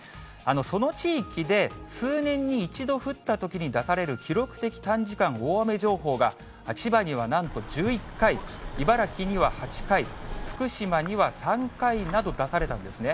その地域で数年に１度降ったときに出される記録的短時間大雨情報が、千葉にはなんと１１回、茨城には８回、福島には３回など出されたんですね。